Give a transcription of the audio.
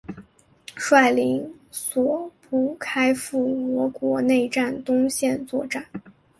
率领所部开赴俄国内战东线作战。